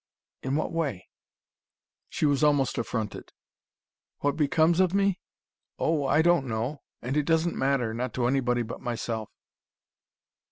"In what way?" She was almost affronted. "What becomes of me? Oh, I don't know. And it doesn't matter, not to anybody but myself."